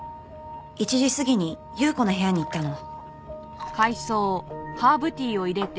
１時過ぎに祐子の部屋に行ったの。